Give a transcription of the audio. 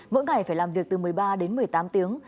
mỗi ngày phải làm việc từ một mươi ba đến một mươi tám tiếng